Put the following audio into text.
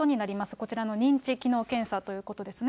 こちらの認知機能検査ということですね。